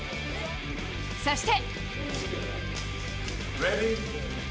そして。